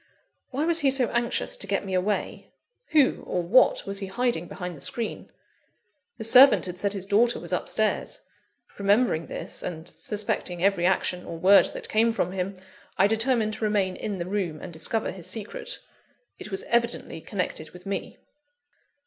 Why was he so anxious to get me away? Who, or what, was he hiding behind the screen? The servant had said his daughter was upstairs; remembering this, and suspecting every action or word that came from him, I determined to remain in the room, and discover his secret. It was evidently connected with me.